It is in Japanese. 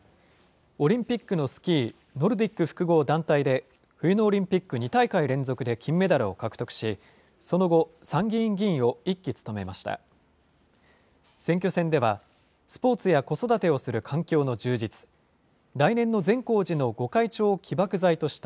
オリンピックのスキー、ノルディック複合団体で冬のオリンピック２大会連続で金メダルを獲得し、その後、参議院議員を１期務めました。